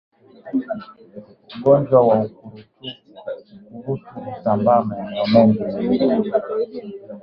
Ugonjwa wa ukurutu husambaa maeneo mengine ya mwili